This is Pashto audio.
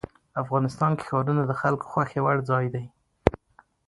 افغانستان کې ښارونه د خلکو خوښې وړ ځای دی.